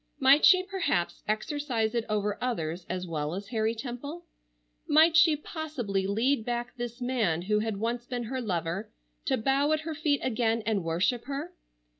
Might she perhaps exercise it over others as well as Harry Temple? Might she possibly lead back this man who had once been her lover, to bow at her feet again and worship her?